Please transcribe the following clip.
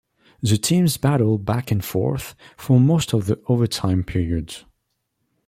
The teams battled back and forth for most of the overtime period.